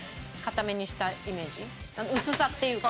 薄さっていうか。